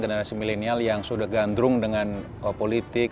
generasi milenial yang sudah gandrung dengan politik